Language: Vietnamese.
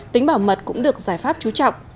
tính bảo mật cũng được giải pháp trú trọng